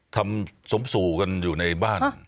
ทำสมสู่กันอยู่ในบ้าน